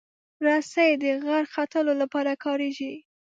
رسۍ د غر ختلو لپاره کارېږي.